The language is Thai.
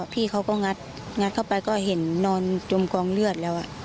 พี่เขาก็งัดมาแล้วเห็นนอนจมกรองเลือดแล้ว